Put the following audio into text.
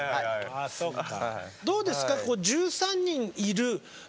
ああそっか。